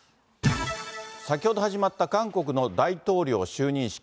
先ほど始まった韓国の大統領就任式。